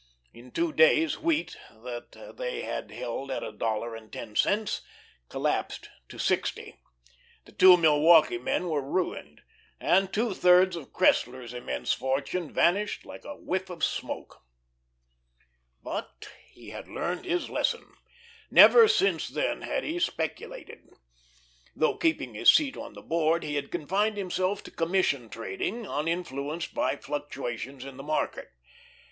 In two days wheat that they had held at a dollar and ten cents collapsed to sixty. The two Milwaukee men were ruined, and two thirds of Cressler's immense fortune vanished like a whiff of smoke. But he had learned his lesson. Never since then had he speculated. Though keeping his seat on the Board, he had confined himself to commission trading, uninfluenced by fluctuations in the market.